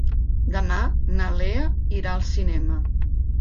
Demà na Lea irà al cinema.